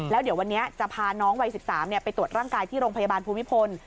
แล้วเดี๋ยววันนี้จะพาน้องวัย๑๓ไปตรวจร่างกายที่โรงพยาบาลภูมิพล